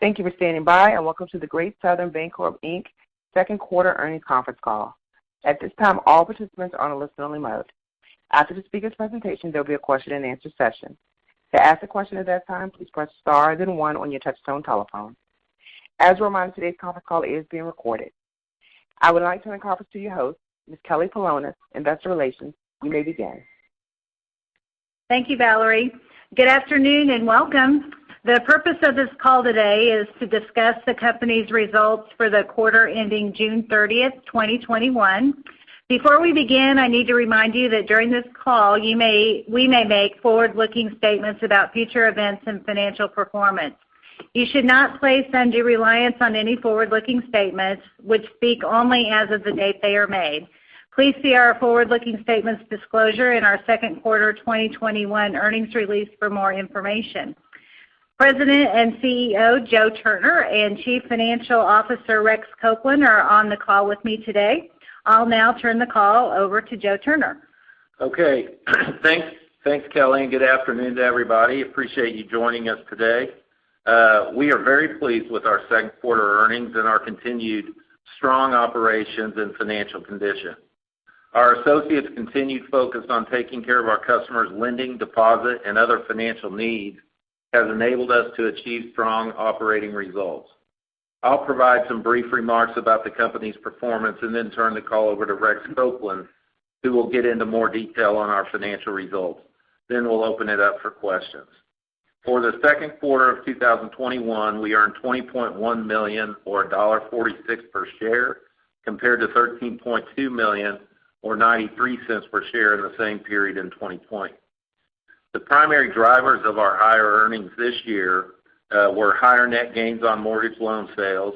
Thank you for standing by, and welcome to the Great Southern Bancorp, Inc., second-quarter earnings conference call. At this time, all participants are on a listen-only mode. After the speaker's presentation, there'll be a question-and-answer session. To ask a question at that time, please press star then one on your touchtone telephone. As a reminder, today's conference call is being recorded. I would like to turn the conference to your host, Ms. Kelly Polonus, Investor Relations. You may begin. Thank you, Valerie. Good afternoon, and welcome. The purpose of this call today is to discuss the company's results for the quarter ending June 30th, 2021. Before we begin, I need to remind you that during this call, we may make forward-looking statements about future events and financial performance. You should not place undue reliance on any forward-looking statements, which speak only as of the date they are made. Please see our forward-looking statements disclosure in our second quarter 2021 earnings release for more information. President and CEO Joe Turner and Chief Financial Officer Rex Copeland are on the call with me today. I'll now turn the call over to Joe Turner. Okay. Thanks, Kelly, good afternoon to everybody. Appreciate you joining us today. We are very pleased with our second quarter earnings and our continued strong operations and financial condition. Our associates' continued focus on taking care of our customers' lending, deposit, and other financial needs has enabled us to achieve strong operating results. I'll provide some brief remarks about the company's performance and then turn the call over to Rex Copeland, who will get into more detail on our financial results. We'll open it up for questions. For the second quarter of 2021, we earned $20.1 million, or $1.46 per share, compared to $13.2 million, or $0.93 per share, in the same period in 2020. The primary drivers of our higher earnings this year were higher net gains on mortgage loan sales,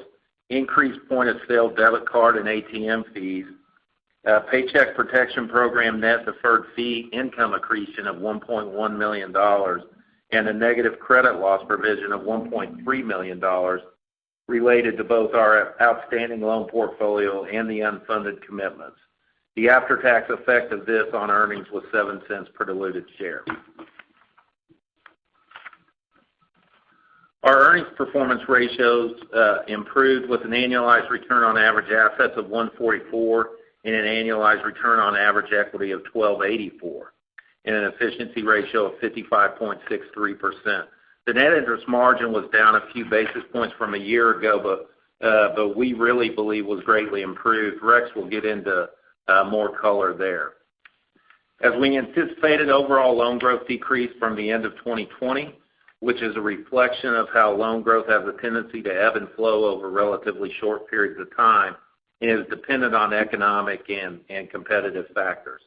increased point-of-sale debit card and ATM fees, Paycheck Protection Program net deferred fee income accretion of $1.1 million, and a negative credit loss provision of $1.3 million related to both our outstanding loan portfolio and the unfunded commitments. The after-tax effect of this on earnings was $0.07 per diluted share. Our earnings performance ratios improved with an annualized return on average assets of 1.44%, and an annualized return on average equity of 12.84%, and an efficiency ratio of 55.63%. The net interest margin was down a few basis points from a year ago, but we really believe was greatly improved. Rex will get into more color there. As we anticipated, overall loan growth decreased from the end of 2020, which is a reflection of how loan growth has the tendency to ebb and flow over relatively short periods of time and is dependent on economic and competitive factors.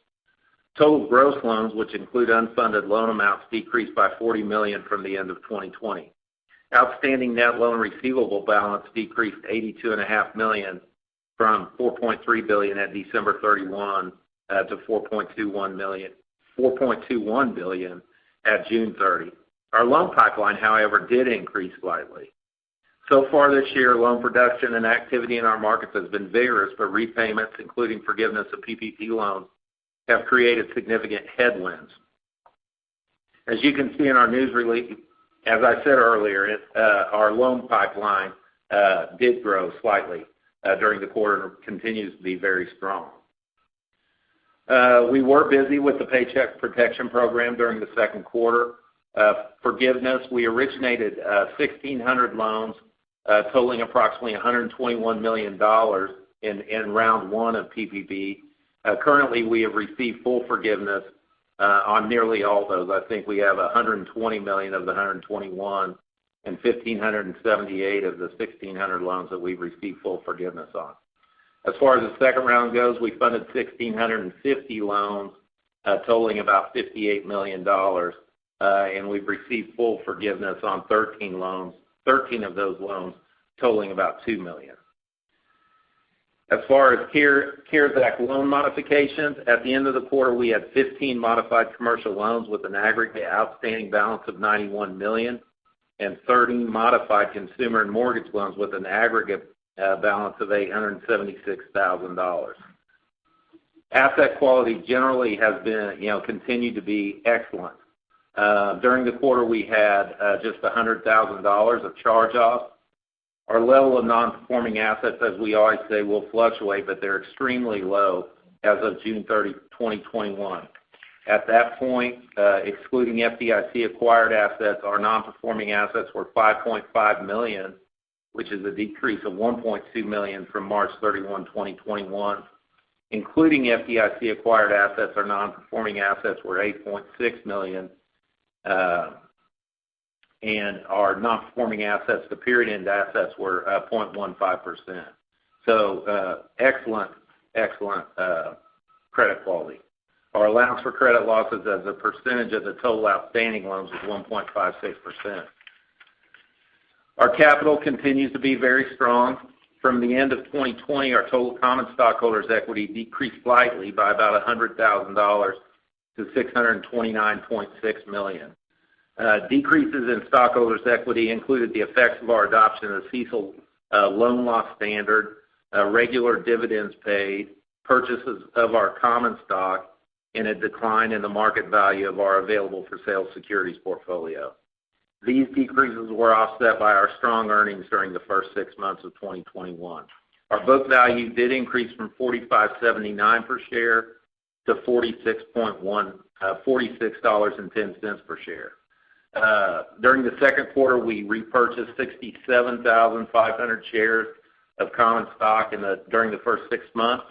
Total gross loans, which include unfunded loan amounts, decreased by $40 million from the end of 2020. Outstanding net loan receivable balance decreased $82.5 million from $4.3 billion at December 31 to $4.21 billion at June 30. Our loan pipeline, however, did increase slightly. So far this year, loan production and activity in our markets has been vigorous, but repayments, including forgiveness of PPP loans, have created significant headwinds. As you can see in our news release, as I said earlier, our loan pipeline did grow slightly during the quarter and continues to be very strong. We were busy with the Paycheck Protection Program during the second quarter. Forgiveness, we originated 1,600 loans, totaling approximately $121 million in round one of PPP. Currently, we have received full forgiveness on nearly all those. I think we have $120 million of the $121 million and 1,578 of the 1,600 loans that we've received full forgiveness on. As far as the second round goes, we funded 1,650 loans totaling about $58 million. We've received full forgiveness on 13 of those loans, totaling about $2 million. As far as CARES Act loan modifications, at the end of the quarter, we had 15 modified commercial loans with an aggregate outstanding balance of $91 million and 30 modified consumer and mortgage loans with an aggregate balance of $876,000. Asset quality generally has continued to be excellent. During the quarter, we had just $100,000 of charge-offs. Our level of non-performing assets, as we always say, will fluctuate, but they're extremely low as of June 30, 2021. At that point, excluding FDIC-acquired assets, our non-performing assets were $5.5 million, which is a decrease of $1.2 million from March 31, 2021. Including FDIC-acquired assets, our non-performing assets were $8.6 million. Our non-performing assets to period-end assets were 0.15%. Excellent credit quality. Our allowance for credit losses as a percentage of the total outstanding loans was 1.56%. Our capital continues to be very strong. From the end of 2020, our total common stockholders' equity decreased slightly by about $100,000 to $629.6 million. Decreases in stockholders' equity included the effects of our adoption of the CECL loan loss standard, regular dividends paid, purchases of our common stock in a decline in the market value of our available for sale securities portfolio. These decreases were offset by our strong earnings during the first six months of 2021. Our book value did increase from $45.79 per share to $46.10 per share. During the second quarter, we repurchased 67,500 shares of common stock. During the first six months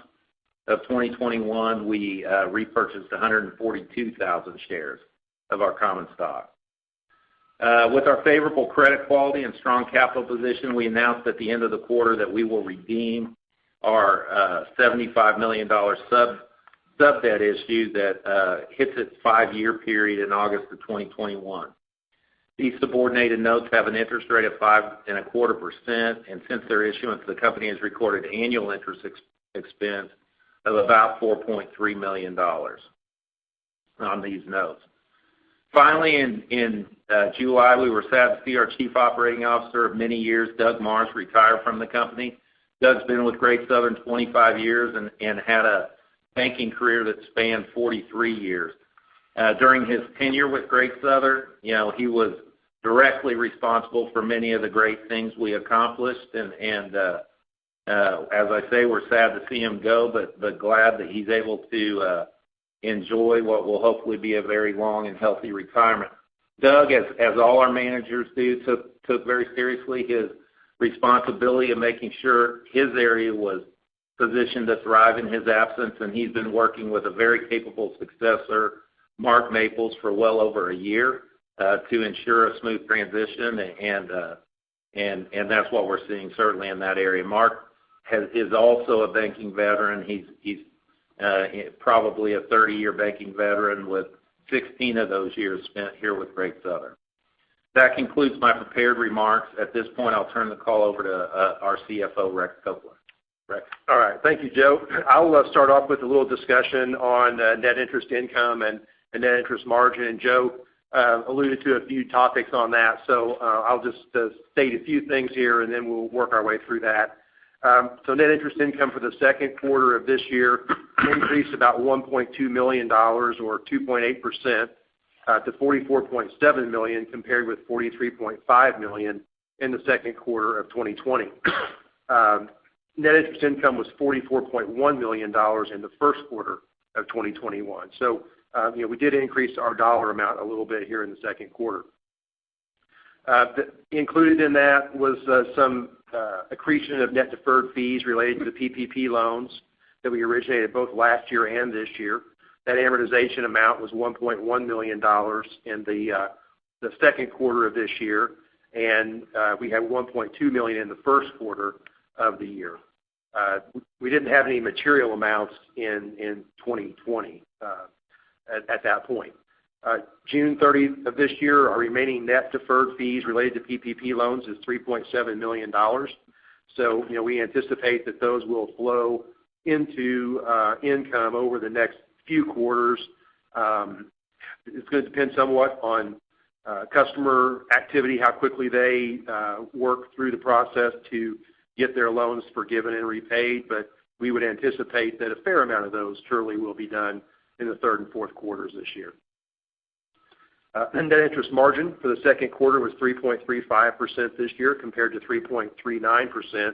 of 2021, we repurchased 142,000 shares of our common stock. With our favorable credit quality and strong capital position, we announced at the end of the quarter that we will redeem our $75 million sub debt issue that hits its five-year period in August of 2021. Since their issuance, the company has recorded annual interest expense of about $4.3 million on these notes. Finally, in July, we were sad to see our Chief Operating Officer of many years, Doug Marrs, retire from the company. Doug's been with Great Southern 25 years and had a banking career that spanned 43 years. During his tenure with Great Southern, he was directly responsible for many of the great things we accomplished. As I say, we're sad to see him go, but glad that he's able to enjoy what will hopefully be a very long and healthy retirement. Doug, as all our managers do, took very seriously his responsibility of making sure his area was positioned to thrive in his absence, and he's been working with a very capable successor, Mark Maples, for well over a year, to ensure a smooth transition, and that's what we're seeing certainly in that area. Mark is also a banking veteran. He's probably a 30-year banking veteran with 16 of those years spent here with Great Southern. That concludes my prepared remarks. At this point, I'll turn the call over to our CFO, Rex Copeland. Rex? All right. Thank you, Joe. I'll start off with a little discussion on net interest income and net interest margin. Joe alluded to a few topics on that. I'll just state a few things here, and then we'll work our way through that. Net interest income for the second quarter of this year increased about $1.2 million, or 2.8%, to $44.7 million, compared with $43.5 million in the second quarter of 2020. Net interest income was $44.1 million in the first quarter of 2021. We did increase our dollar amount a little bit here in the second quarter. Included in that was some accretion of net deferred fees related to the PPP loans that we originated both last year and this year. That amortization amount was $1.1 million in the second quarter of this year, and we had $1.2 million in the first quarter of the year. We didn't have any material amounts in 2020 at that point. June 30th of this year, our remaining net deferred fees related to PPP loans is $3.7 million. We anticipate that those will flow into income over the next few quarters. It's going to depend somewhat on customer activity, how quickly they work through the process to get their loans forgiven and repaid, but we would anticipate that a fair amount of those surely will be done in the third and fourth quarters this year. Net interest margin for the second quarter was 3.35% this year compared to 3.39%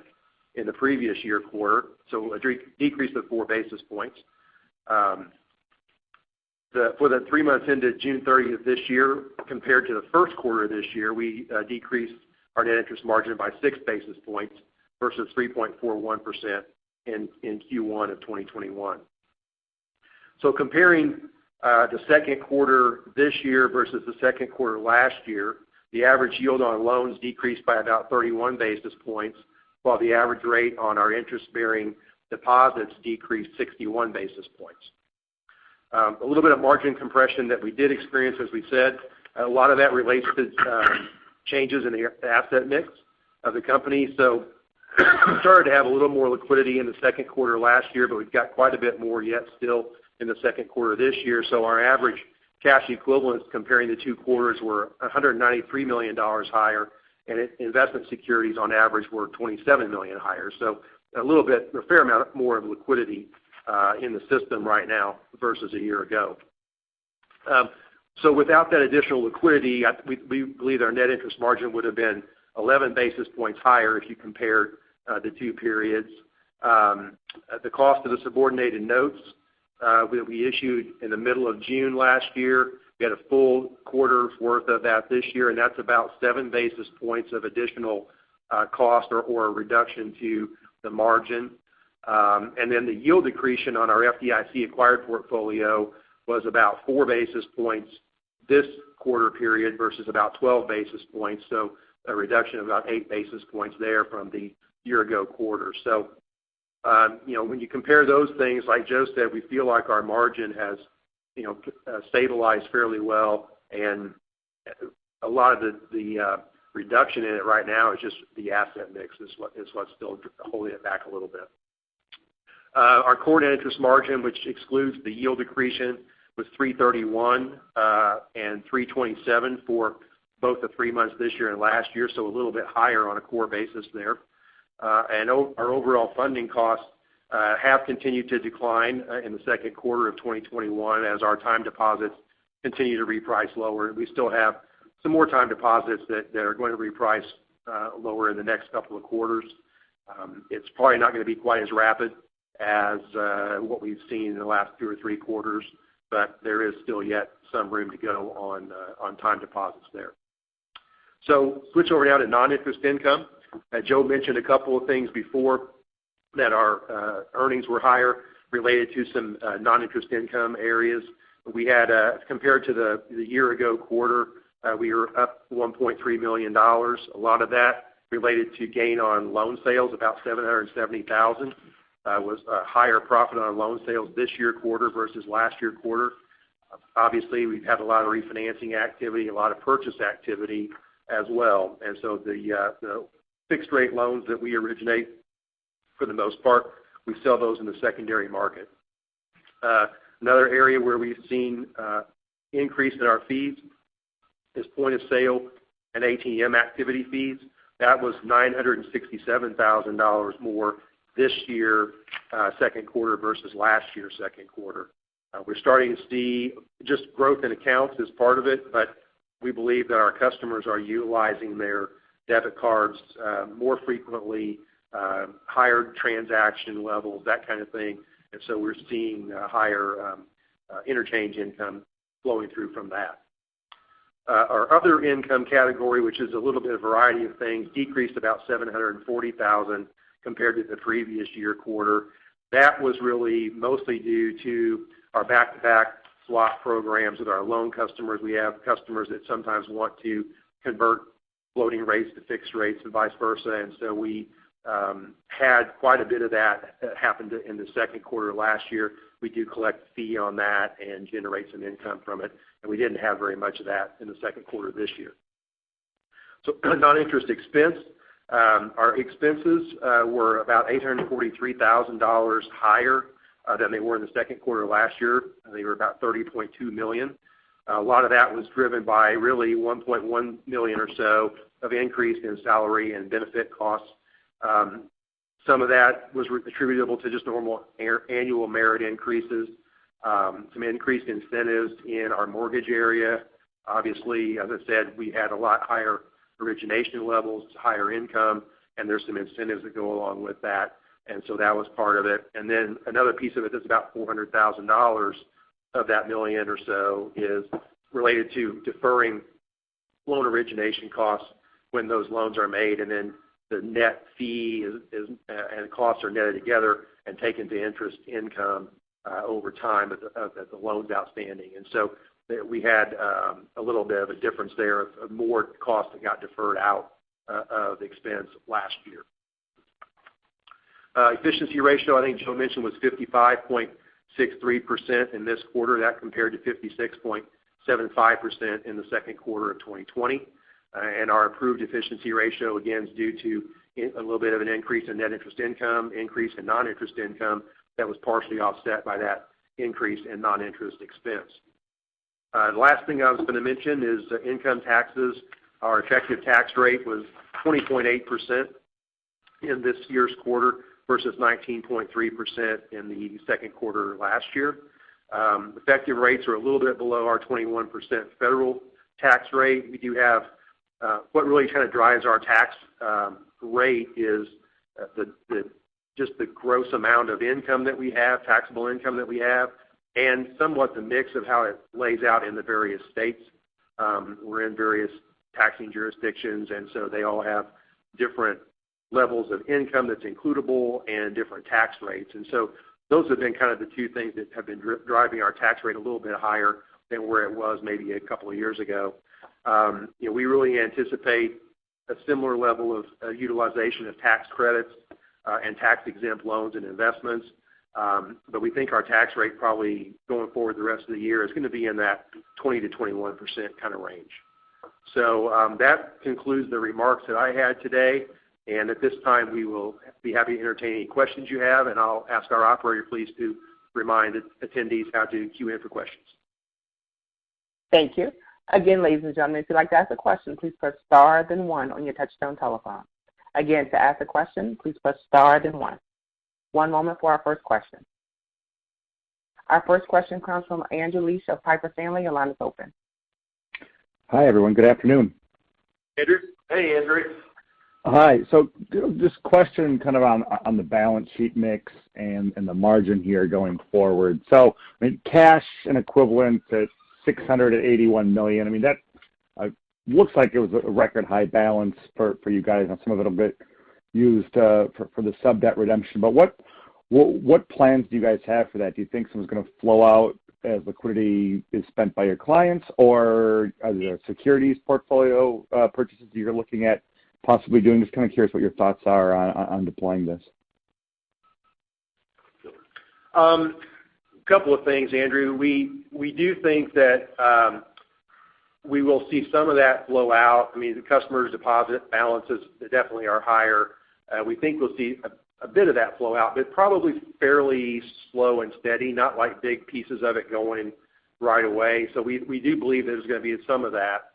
in the previous year quarter, so a decrease of 4 basis points. For the three months ended June 30th this year, compared to the first quarter this year, we decreased our net interest margin by 6 basis points, versus 3.41% in Q1 2021. Comparing the second quarter this year versus the second quarter last year, the average yield on loans decreased by about 31 basis points, while the average rate on our interest-bearing deposits decreased 61 basis points. A little bit of margin compression that we did experience, as we said. A lot of that relates to changes in the asset mix of the company. We started to have a little more liquidity in the second quarter last year, but we've got quite a bit more yet still in the second quarter this year. Our average cash equivalents comparing the two quarters were $193 million higher, and investment securities on average were $27 million higher. A fair amount more of liquidity in the system right now versus a year ago. Without that additional liquidity, we believe our net interest margin would have been 11 basis points higher if you compared the two periods. The cost of the subordinated notes that we issued in the middle of June last year, we had a full quarter's worth of that this year, and that's about 7 basis points of additional cost or a reduction to the margin. The yield accretion on our FDIC-acquired portfolio was about 4 basis points this quarter period versus about 12 basis points, so a reduction of about 8 basis points there from the year-ago quarter. When you compare those things, like Joe said, we feel like our margin has stabilized fairly well, and a lot of the reduction in it right now is just the asset mix is what's still holding it back a little bit. Our core net interest margin, which excludes the yield accretion, was 3.31 and 3.27 for both the three months this year and last year, so a little bit higher on a core basis there. Our overall funding costs have continued to decline in the second quarter of 2021 as our time deposits continue to reprice lower. We still have some more time deposits that are going to reprice lower in the next couple of quarters. It's probably not going to be quite as rapid as what we've seen in the last two or three quarters, but there is still yet some room to go on time deposits there. Switching over now to non-interest income. Joe mentioned a couple of things before, that our earnings were higher related to some non-interest income areas. Compared to the year-ago quarter, we were up $1.3 million. A lot of that related to gain on loan sales, about $770,000, was a higher profit on loan sales this year quarter versus last year quarter. Obviously, we've had a lot of refinancing activity, a lot of purchase activity as well. The fixed-rate loans that we originate, for the most part, we sell those in the secondary market. Another area where we've seen an increase in our fees is point of sale and ATM activity fees. That was $967,000 more this year's second quarter versus last year's second quarter. We're starting to see just growth in accounts as part of it, but we believe that our customers are utilizing their debit cards more frequently, higher transaction levels, that kind of thing. We're seeing higher interchange income flowing through from that. Our other income category, which is a little bit of a variety of things, decreased about $740,000 compared to the previous year quarter. That was really mostly due to our back-to-back swap programs with our loan customers. We have customers that sometimes want to convert floating rates to fixed rates and vice versa. We had quite a bit of that happen in the second quarter last year. We do collect a fee on that and generate some income from it, and we didn't have very much of that in the second quarter this year. Non-interest expense. Our expenses were about $843,000 higher than they were in the second quarter last year. They were about $30.2 million. A lot of that was driven by really $1.1 million or so of increase in salary and benefit costs. Some of that was attributable to just normal annual merit increases. Some increased incentives in our mortgage area. Obviously, as I said, we had a lot higher origination levels, higher income, and there's some incentives that go along with that, and so that was part of it. Then another piece of it is about $400,000, of that million or so is related to deferring loan origination costs when those loans are made. Then the net fee and costs are netted together and taken to interest income over time as the loan's outstanding. We had a little bit of a difference there of more cost that got deferred out of expense last year. Efficiency ratio, I think Joe mentioned, was 55.63% in this quarter. That compared to 56.75% in the second quarter of 2020. Our approved efficiency ratio, again, is due to a little bit of an increase in net interest income, an increase in non-interest income, that was partially offset by that increase in non-interest expense. The last thing I was going to mention is income taxes. Our effective tax rate was 20.8% in this year's quarter versus 19.3% in the second quarter last year. Effective rates are a little bit below our 21% federal tax rate. What really kind of drives our tax rate is just the gross amount of income that we have, taxable income that we have, and somewhat the mix of how it lays out in the various states. We're in various taxing jurisdictions. They all have different levels of income that's includable and different tax rates. Those have been kind of the two things that have been driving our tax rate a little bit higher than where it was maybe a couple of years ago. We really anticipate a similar level of utilization of tax credits and tax-exempt loans and investments, but we think our tax rate, probably going forward the rest of the year, is going to be in that 20%-21% kind of range. That concludes the remarks that I had today, and at this time, we will be happy to entertain any questions you have. I'll ask our operator, please, to remind attendees how to queue in for questions. Thank you. Again, ladies and gentlemen, if you'd like to ask a question, please press star then one on your touchtone telephone. Again, to ask a question, please press star then one. One moment for our first question. Our first question comes from Andrew Liesch of Piper Sandler. Your line is open. Hi, everyone. Good afternoon. Andrew. Hey, Andrew. Hi. Just a question, kind of on the balance sheet mix and the margin here going forward. Cash and equivalent to $681 million, that looks like it was a record high balance for you guys, and some of it will get used for the sub-debt redemption. What plans do you guys have for that? Do you think some of it's going to flow out as liquidity is spent by your clients, or are there securities portfolio purchases that you're looking at possibly doing? Just kind of curious what your thoughts are on deploying this. A couple of things, Andrew. We do think that we will see some of that flow out. The customers' deposit balances definitely are higher. We think we'll see a bit of that flow out, but probably fairly slow and steady, not like big pieces of it going right away. We do believe there's going to be some of that.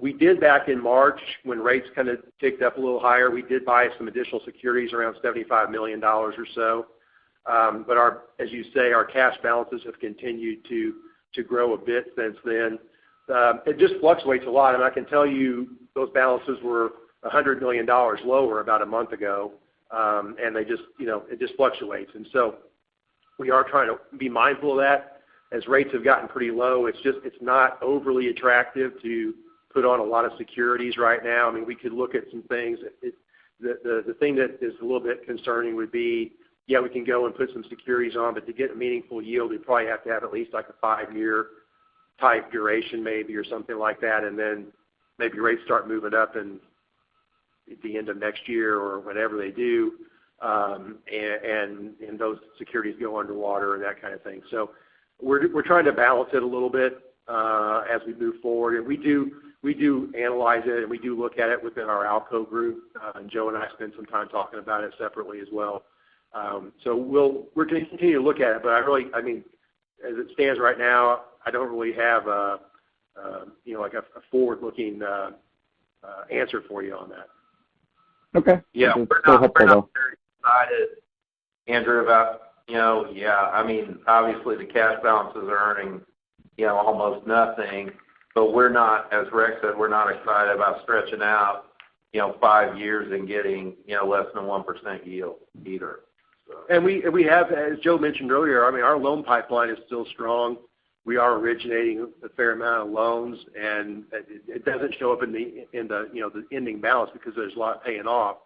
We did back in March, when rates kind of ticked up a little higher, we did buy some additional securities, around $75 million or so. As you say, our cash balances have continued to grow a bit since then. It just fluctuates a lot, and I can tell you those balances were $100 million lower about a month ago. It just fluctuates. We are trying to be mindful of that. As rates have gotten pretty low, it's not overly attractive to put on a lot of securities right now. We could look at some things. The thing that is a little bit concerning would be, yeah, we can go and put some securities on, but to get a meaningful yield, we'd probably have to have at least like a five-year-type duration, maybe, or something like that. Then maybe rates start moving up at the end of next year or whenever they do, and those securities go underwater, and that kind of thing. We're trying to balance it a little bit as we move forward. We do analyze it, and we do look at it within our ALCO group. Joe and I spent some time talking about it separately as well. We're going to continue to look at it, but as it stands right now, I don't really have a forward-looking answer for you on that. Okay. Yeah. We're not very excited, Andrew, about. Obviously, the cash balances are earning almost nothing. As Rex said, we're not excited about stretching out five years and getting less than 1% yield either. As Joe mentioned earlier, our loan pipeline is still strong. We are originating a fair amount of loans, and it doesn't show up in the ending balance because there's a lot paying off.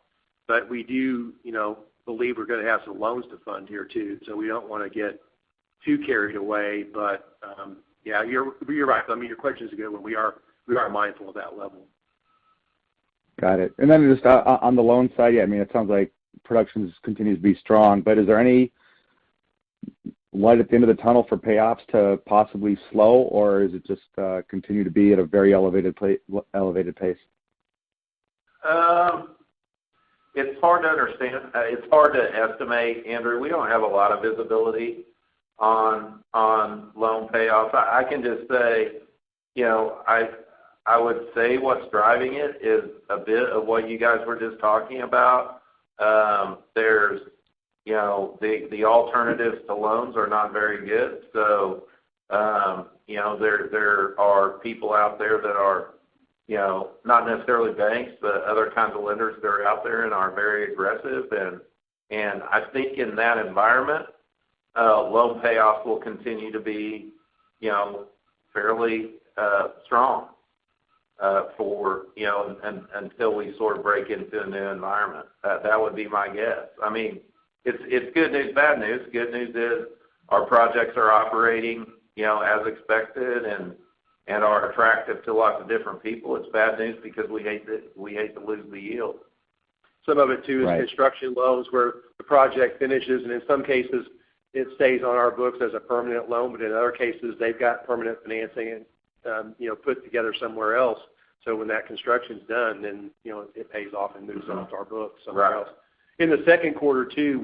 We do believe we're going to have some loans to fund here, too, so we don't want to get too carried away. Yeah, you're right. Your question is a good one. We are mindful of that level. Got it. Just on the loan side, it sounds like production continues to be strong, but is there any light at the end of the tunnel for payoffs to possibly slow, or does it just continue to be at a very elevated pace? It's hard to estimate, Andrew. We don't have a lot of visibility on loan payoffs. I would say what's driving it is a bit of what you guys were just talking about. The alternatives to loans are not very good. There are people out there that are not necessarily banks, but other kinds of lenders that are out there and are very aggressive. I think in that environment, loan payoffs will continue to be fairly strong until we sort of break into a new environment. That would be my guess. It's good news, bad news. Good news is our projects are operating as expected and are attractive to lots of different people. It's bad news because we hate to lose the yield. Some of it, too, is- Right Construction loans, where the project finishes, and in some cases, it stays on our books as a permanent loan. In other cases, they've got permanent financing put together somewhere else. When that construction's done, then it pays off and moves off. Our books somewhere else. Right. In the second quarter, too,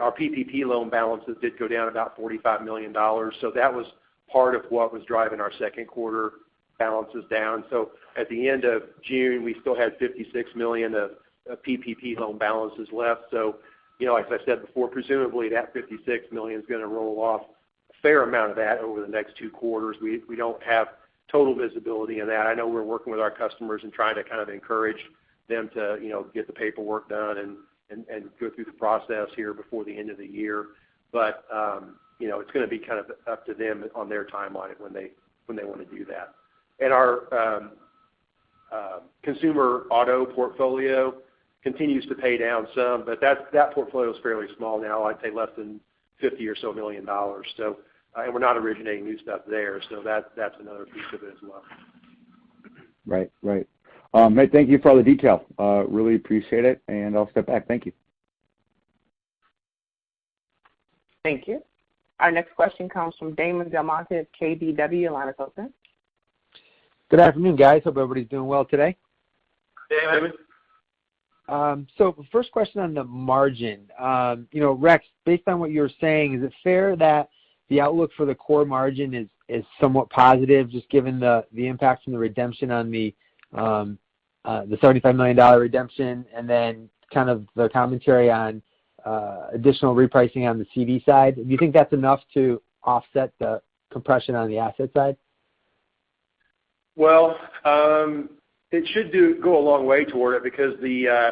our PPP loan balances did go down about $45 million. That was part of what was driving our second-quarter balances down. At the end of June, we still had $56 million of PPP loan balances left. As I said before, presumably, that $56 million is going to roll off, a fair amount of that, over the next two quarters. We don't have total visibility of that. I know we're working with our customers and trying to kind of encourage them to get the paperwork done and go through the process here before the end of the year. It's going to be kind of up to them on their timeline when they want to do that. Our consumer auto portfolio continues to pay down some, but that portfolio's fairly small now. I'd say less than $50 million or so. We're not originating new stuff there, so that's another piece of it as well. Right. Mate, thank you for all the details. Really appreciate it, and I'll step back. Thank you. Thank you. Our next question comes from Damon DelMonte of KBW. Line is open. Good afternoon, guys. Hope everybody's doing well today. Hey, Damon. First question on the margin. Rex, based on what you're saying, is it fair that the outlook for the core margin is somewhat positive, just given the impact from the redemption on the $35 million redemption, and then kind of the commentary on additional repricing on the CD side? Do you think that's enough to offset the compression on the asset side? It should go a long way toward it because the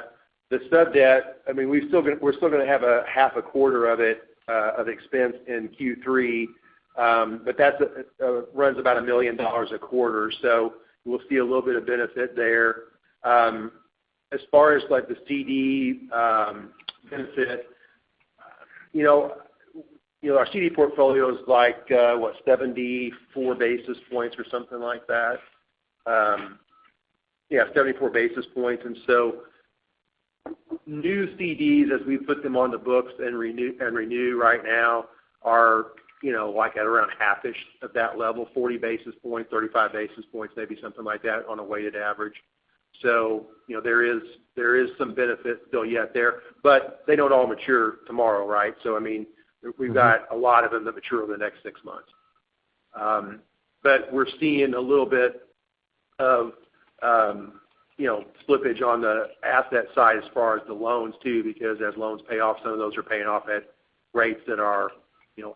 sub-debt, we're still going to have half a quarter of it of expense in Q3. That runs about $1 million a quarter. We'll see a little bit of benefit there. As far as like the CD benefit, our CD portfolio is like, what? 74 basis points or something like that. Yeah, 74 basis points. New CDs, as we put them on the books and renew right now, are at around half-ish of that level, 40 basis points, 35 basis points maybe, something like that on a weighted average. There is some benefit still yet there, but they don't all mature tomorrow, right? We've got a lot of them that mature over the next six months. We're seeing a little bit of slippage on the asset side as far as the loans, too, because as loans pay off, some of those are paying off at rates that are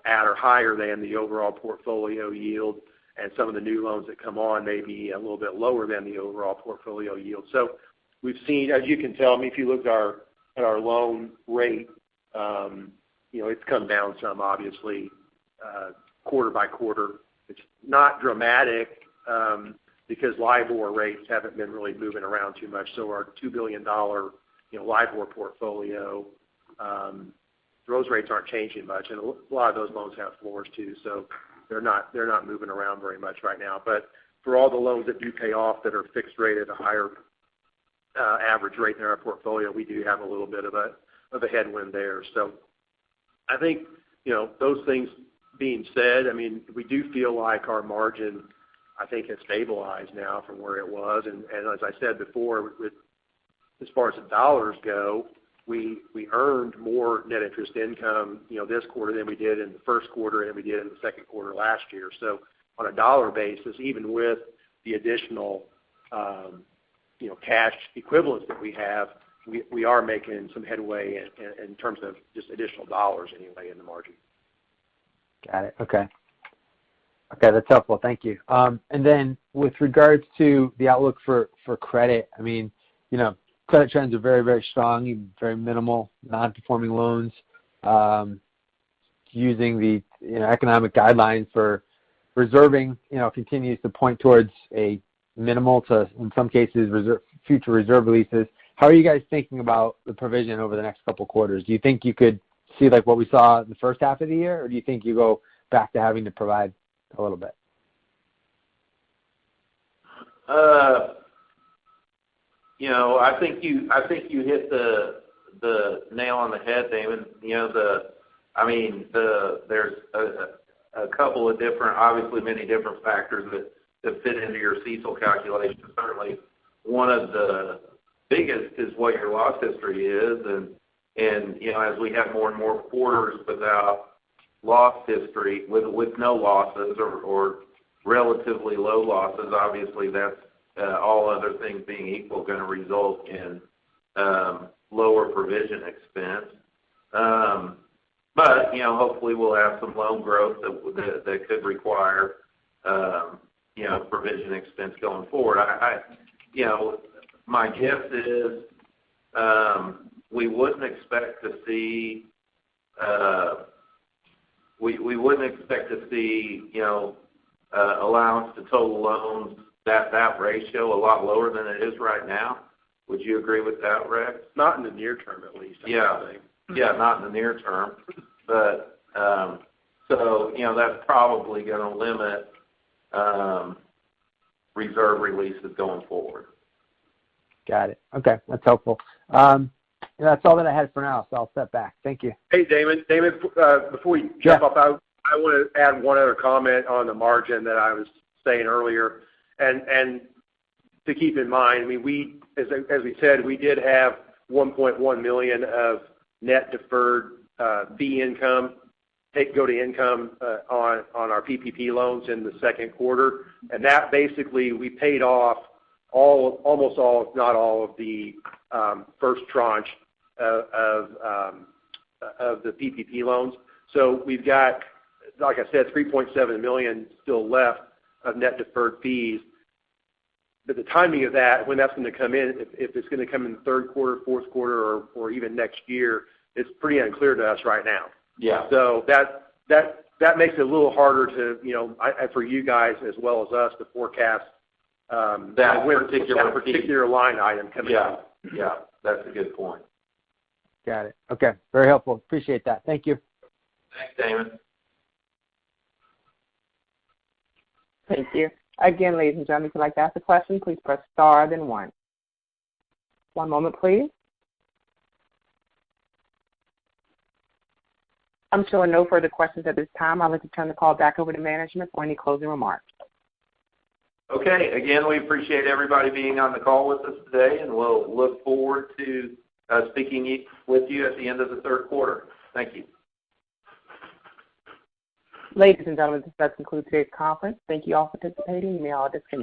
at or higher than the overall portfolio yield. Some of the new loans that come on may be a little bit lower than the overall portfolio yield. We've seen, as you can tell, if you look at our loan rate, it's come down some, obviously, quarter by quarter. It's not dramatic because LIBOR rates haven't been really moving around too much. Our $2 billion LIBOR portfolio, those rates aren't changing much. A lot of those loans have floors, too, so they're not moving around very much right now. For all the loans that do pay off that are fixed-rate at a higher average rate in our portfolio, we do have a little bit of a headwind there. I think, those things being said, we do feel like our margin, I think, has stabilized now from where it was. As I said before, as far as the dollars go, we earned more net interest income this quarter than we did in the first quarter and we did in the second quarter last year. On a dollar basis, even with the additional cash equivalents that we have, we are making some headway in terms of just additional dollars anyway in the margin. Got it. Okay. That's helpful. Thank you. With regards to the outlook for credit trends are very, very strong, very minimal non-performing loans. Using the economic guidelines for reserving continues to point towards a minimal to, in some cases, future reserve releases. How are you guys thinking about the provision over the next couple of quarters? Do you think you could see what we saw in the first half of the year, or do you think you go back to having to provide a little bit? I think you hit the nail on the head, Damon. There's a couple of different, obviously many different factors that fit into your CECL calculation. Certainly, one of the biggest is what your loss history is. As we have more and more quarters without loss history, with no losses or relatively low losses, obviously, that's, all other things being equal, going to result in lower provision expense. Hopefully, we'll have some loan growth that could require provision expense going forward. My guess is we wouldn't expect to see allowance to total loans, that ratio, a lot lower than it is right now. Would you agree with that, Rex? Not in the near term, at least, I don't think. Yeah, not in the near term. That's probably going to limit reserve releases going forward. Got it. Okay, that's helpful. That's all that I had for now, so I'll step back. Thank you. Hey, Damon. Before you jump off. Yeah I want to add one other comment on the margin that I was saying earlier. To keep in mind, as we said, we did have $1.1 million of net deferred fee income, take go to income, on our PPP loans in the second quarter. That basically we paid off almost all, if not all, of the first tranche of the PPP loans. We've got, like I said, $3.7 million still left of net deferred fees. The timing of that, when that's going to come in, if it's going to come in the third quarter, fourth quarter, or even next year, it's pretty unclear to us right now. Yeah. That makes it a little harder for you guys as well as us to forecast. That particular fee. That particular line item is coming up. Yeah. That's a good point. Got it. Okay. Very helpful. Appreciate that. Thank you. Thanks, Damon. Thank you. Again, ladies and gentlemen, if you'd like to ask a question, please press star, then one. One moment, please. I'm showing no further questions at this time. I'd like to turn the call back over to management for any closing remarks. Okay. Again, we appreciate everybody being on the call with us today, and we'll look forward to speaking with you at the end of the third quarter. Thank you. Ladies and gentlemen, this does conclude today's conference. Thank you all for participating. You may all disconnect.